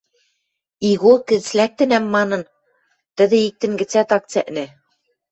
Игот гӹц лӓктӹнӓм манын, тӹдӹ иктӹн гӹцӓт ак цӓкнӹ